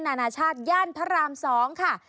นานาชาติย่านพระราม๒ค่ะ